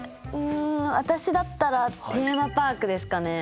私だったらテーマパークですかね。